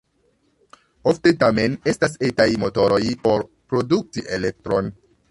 Ofte tamen estas etaj motoroj por produkti elektron.